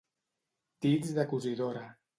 Dits de cosidora.